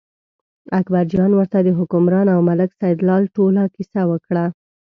اکبرجان ورته د حکمران او ملک سیدلال ټوله کیسه وکړه.